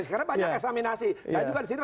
sekarang banyak eksaminasi saya juga disini